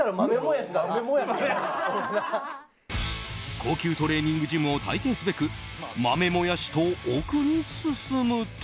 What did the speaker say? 高級トレーニングジムを体験すべく豆もやしと奥に進むと。